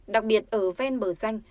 đặc biệt ở ven bờ danh